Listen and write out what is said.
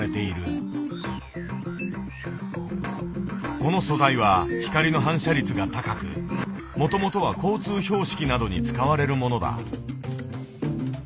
この素材は光の反射率が高くもともとは交通標識などに使われるものだ。